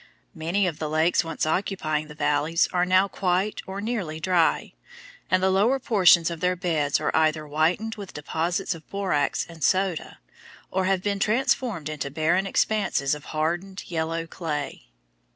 Many of the lakes once occupying the valleys are now quite or nearly dry, and the lower portions of their beds are either whitened with deposits of borax and soda, or have been transformed into barren expanses of hardened yellow clay.